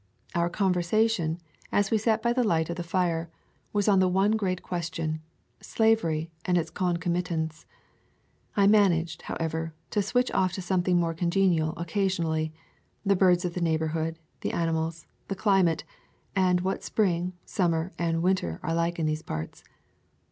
Our conversation, as we sat by the light of the fire, was on the one great question, slavery and its concomitants. I managed, however, to switch off to something more congenial occa sionally — the birds of the neighborhood, the animals, the climate, and what spring, summer, and winter are like in these parts.